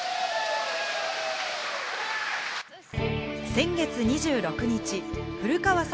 先月２６日、古川聡